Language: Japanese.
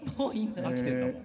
飽きてんだもん。